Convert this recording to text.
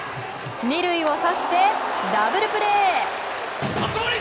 ２塁を刺してダブルプレー！